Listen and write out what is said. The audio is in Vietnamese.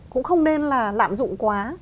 cũng không nên là lạm dụng quá